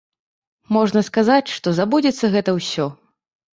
Можна сказаць, што забудзецца гэта ўсё.